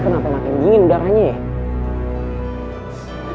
kenapa makin dingin udaranya ya